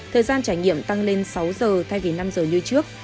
thời gian trải nghiệm tăng lên sáu giờ thay vì năm giờ như trước